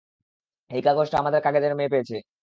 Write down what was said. এই কাগজটা আমাদের কাজের মেয়ে পেয়েছে।